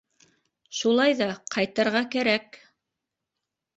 Шулай ҙа ҡайтырға кәрәк.